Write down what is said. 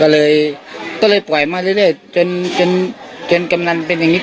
ก็เลยก็เลยปล่อยมาเรื่อยจนจนกำนันเป็นอย่างนี้